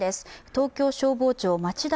東京消防庁町田